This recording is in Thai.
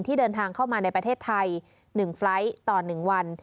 เดินทางเข้ามาในประเทศไทย๑ไฟล์ทต่อ๑วัน